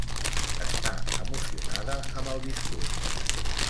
Està emocionada amb el discurs.